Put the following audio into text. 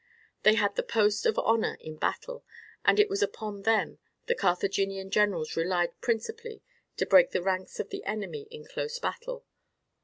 They had the post of honour in battle, and it was upon them the Carthaginian generals relied principally to break the ranks of the enemy in close battle.